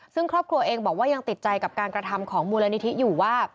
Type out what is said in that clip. ซึ่งครอบครัวเองบอกว่ายังติดใจกับการกระทำของมูลนิธิอยู่ว่า